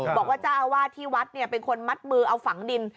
บอกว่าเจ้าอาวาสที่วัดเป็นคนมัดมือเอาฝังดิน